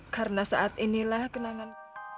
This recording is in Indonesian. karena saat inilah kenangan